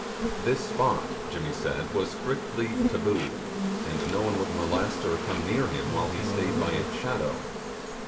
This spot Jimmy said was strictly 'taboo', and no one would molest or come near him while he stayed by its shadow.